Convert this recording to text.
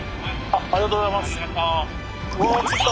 ありがとうございます。